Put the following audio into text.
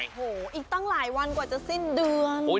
โอ้โหอีกตั้งหลายวันกว่าจะสิ้นเดือน